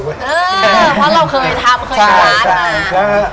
เพราะเราเคยทำเคยมีร้านมา